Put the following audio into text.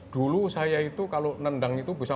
dulu saya itu kalau nendang itu bisa